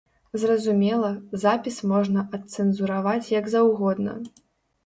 Зразумела, запіс можна адцэнзураваць як заўгодна.